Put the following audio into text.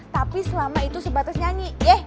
tapi selama itu sebatas nyanyi yeh